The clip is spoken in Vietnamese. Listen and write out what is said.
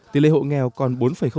tỷ lệ hộ nghèo còn bốn sáu